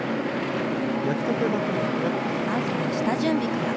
まずは下準備から。